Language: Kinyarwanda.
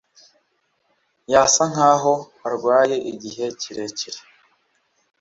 Yasa nkaho arwaye igihe kirekire.